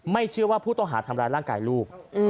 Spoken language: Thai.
เชื่อว่าผู้ต้องหาทำร้ายร่างกายลูก